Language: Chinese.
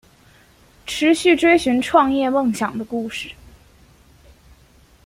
持续追寻创业梦想的故事